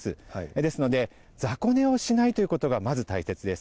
ですので、雑魚寝をしないということがまず大切です。